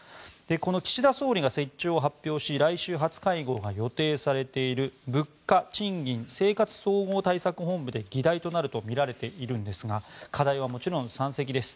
この岸田総理が設置を発表し来週、初会合が予定されている物価・賃金・生活総合対策本部で議題となるとみられているんですが課題はもちろん山積です。